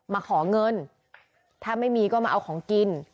มาขอเงินถ้าไม่มีก็มาเอาของกิน